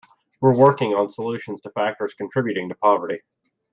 We're working on solutions to factors contributing to poverty.